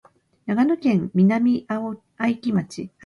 長野県南相木村